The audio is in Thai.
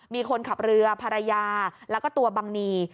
มีคนขับเรือภรรยาแล้วก็ตัวบังนี